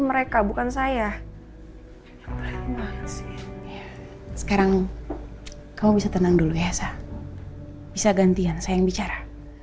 mereka bukan saya sekarang kau bisa tenang dulu ya bisa gantian saya bicara